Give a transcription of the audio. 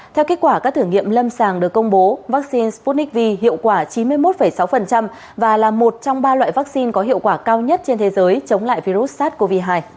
theo kết quả các thử nghiệm lâm sàng được công bố vaccine sputnik v hiệu quả chín mươi một sáu và là một trong ba loại vaccine có hiệu quả cao nhất trên thế giới chống lại virus sars cov hai